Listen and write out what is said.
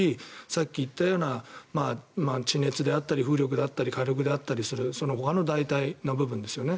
さっき言ったような地熱であったり風力であったりそのほかの代替の部分ですよね。